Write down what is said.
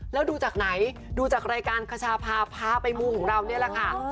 แล้วดูจากไหนดูจากรายการขชาพาพาไปมูของเรานี่แหละค่ะ